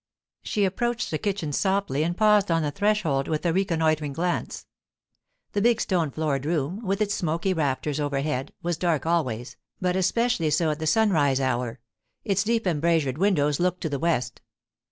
She approached the kitchen softly and paused on the threshold with a reconnoitring glance. The big stone floored room, with its smoky rafters overhead, was dark always, but especially so at the sunrise hour; its deep embrasured windows looked to the west.